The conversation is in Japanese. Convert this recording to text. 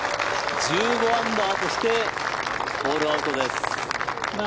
１５アンダーとしてホールアウトです。